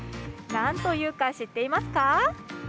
何というか知っていますか？